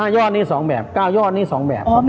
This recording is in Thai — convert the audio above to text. ๕ยอดนี่๒แบบ๙ยอดนี่๒แบบ